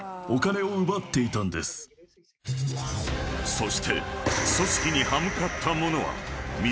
［そして］